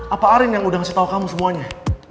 apa arin yang udah ngasih tau kamu semuanya